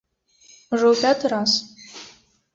Ужо ў пяты раз.